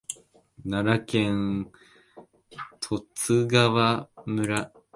奈良県十津川村